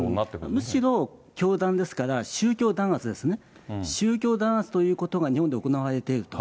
むしろ、教団ですから、宗教弾圧ですね、宗教弾圧ということが日本で行われていると。